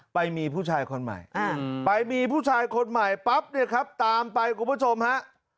ไปมีผู้ชายคนใหม่ไปมีผู้ชายคนใหม่ปั๊บเนี่ยครับตามไปคุณผู้ชมฮะ